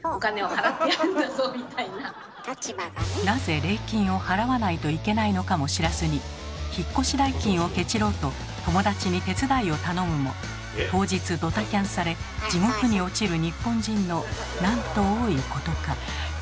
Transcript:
なぜ礼金を払わないといけないのかも知らずに引っ越し代金をケチろうと友達に手伝いを頼むも当日ドタキャンされ地獄に落ちる日本人のなんと多いことか。